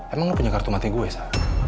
emang lu punya kartu mati gue sa